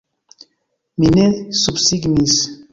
Mi ne subsignis!